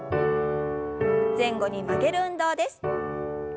前後に曲げる運動です。